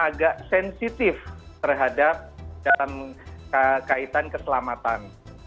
agak sensitif terhadap dalam kaitan keselamatan